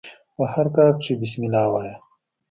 په هر کار کښي بسم الله وايه!